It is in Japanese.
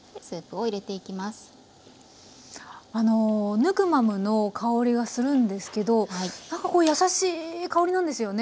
ヌクマムの香りがするんですけどなんかこうやさしい香りなんですよね。